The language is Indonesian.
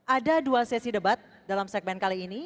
ada dua sesi debat dalam segmen kali ini